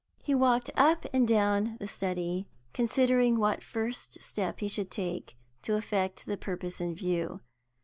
He walked up and down the study considering what first step he should take to effect the purpose in view.